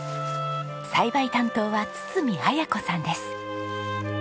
栽培担当は堤彩子さんです。